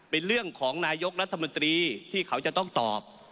เป็นเรื่องของนายกรัฐมนตรีที่เขาจะต้องตอบ